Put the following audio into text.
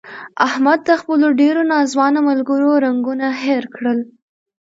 احمد د خپلو ډېرو ناځوانه ملګرو رنګون هیر کړل.